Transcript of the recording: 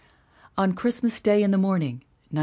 On Christmas Day in the Morning, 1908.